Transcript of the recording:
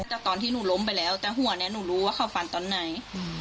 แต่ตอนที่หนูล้มไปแล้วแต่หัวเนี่ยหนูรู้ว่าเขาฟันตอนไหน